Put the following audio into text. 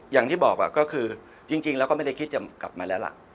อย่างที่บอกก็คือจริงแล้วก็ไม่ได้คิดจะกลับมาแล้วล่ะ